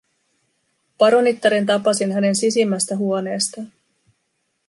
Paronittaren tapasin hänen sisimmästä huoneestaan.